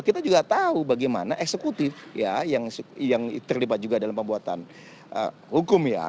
kita juga tahu bagaimana eksekutif ya yang terlibat juga dalam pembuatan hukum ya